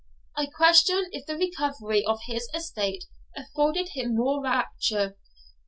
I question if the recovery of his estate afforded him more rapture.